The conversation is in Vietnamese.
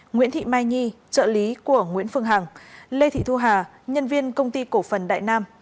nguyễn thị mai nhi trợ lý của nguyễn phương hằng lê thị thu hà nhân viên công ty cổ phần đại nam